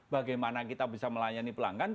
bagaimana kita bisa melayani pelanggan